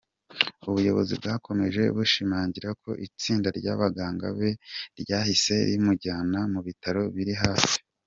Ubuyobozi bwakomeje bushimangira ko “Itsinda ry’abaganga be ryahise rimujyana mu bitaro biri hafi”.